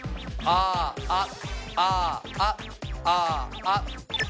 あーあっ。